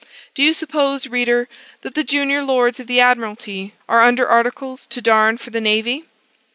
Do you suppose, reader, that the junior lords of the admiralty are under articles to darn for the navy?